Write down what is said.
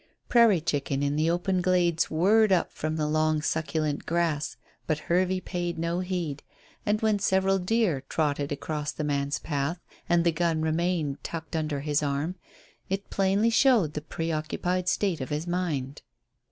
Prairie chicken in the open glades whirred up from the long succulent grass, but Hervey paid no heed, and when several deer trotted across the man's path, and the gun remained tucked under his arm, it plainly showed the pre occupied state of his mind.